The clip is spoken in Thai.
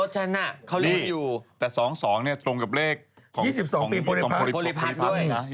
ทันไหม